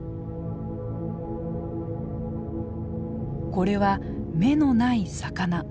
これは目のない魚。